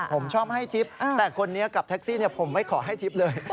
ผมชอบให้ทริปแต่คนนี้กลับตะกซี่ผมไม่ขอให้ทริปเลย